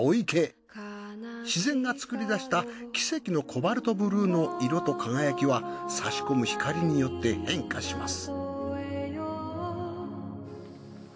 自然が作り出した奇跡のコバルトブルーの色と輝きは差し込む光によって変化します。